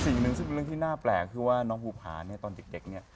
สิ่งหนึ่งซึ่งเป็นเรื่องที่น่าแปลกคือว่าน้องภูผาเนี่ยตอนเด็กเนี่ย